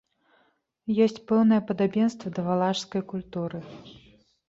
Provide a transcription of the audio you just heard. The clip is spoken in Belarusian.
Ёсць пэўнае падабенства да валашскай культуры.